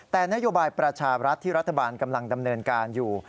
แต่นโยบายประชารัฐที่รัฐบาลกำลังดำเนินการอยู่